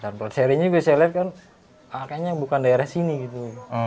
dan bolak baliknya bisa dilihat kan kayaknya bukan daerah sini gitu